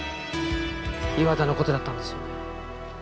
岩田の事だったんですよね？